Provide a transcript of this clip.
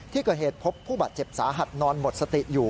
ที่เกิดเหตุพบผู้บาดเจ็บสาหัสนอนหมดสติอยู่